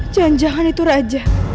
janjangan itu raja